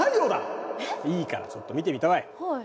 いいからちょっと見てみたまえ。